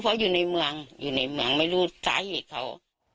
เพราะอยู่ในเมืองอยู่ในเมืองไม่รู้สาเหตุเขา